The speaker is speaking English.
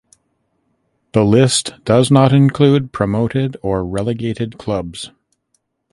The list does not include promoted or relegated clubs.